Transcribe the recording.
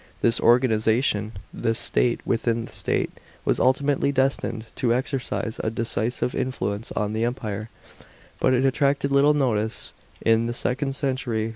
This organisation, this state within the " state," was ultimately destined to exercise a decisive influence on the Empire ; but it attracted little notice in the second century.